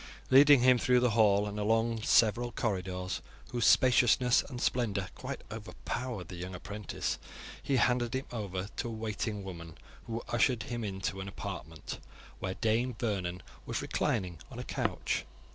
Leading him through the hall and along several corridors, whose spaciousness and splendour quite overpowered the young apprentice, he handed him over to a waiting woman, who ushered him into an apartment where Dame Vernon was reclining on a couch.